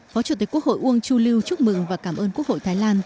phó chủ tịch quốc hội uông chu lưu chúc mừng và cảm ơn quốc hội thái lan